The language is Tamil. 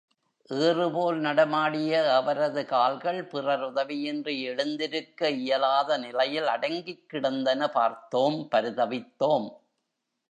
ஏறுபோல் நடமாடிய அவரது கால்கள் பிறர் உதவியின்றி எழுந்திருக்க இயலாத நிலையில் அடங்கிக் கிடந்தன பார்த்தோம், பரிதவித்தோம்!